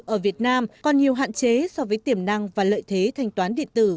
ở việt nam còn nhiều hạn chế so với tiềm năng và lợi thế thanh toán điện tử